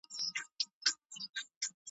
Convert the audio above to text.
د ښار خلکو ته دا لویه تماشه سوه .